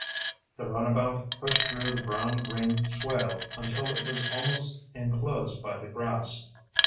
The runabout pushed through the brown green swale until it was almost enclosed by the grass.